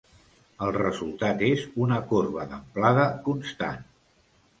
El resultat és una corba d'amplada constant.